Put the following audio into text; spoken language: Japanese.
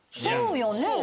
そうよね。